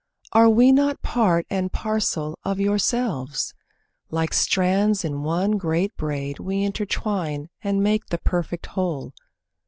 Are we not part and parcel of yourselves? Like strands in one great braid we entertwine And make the perfect whole.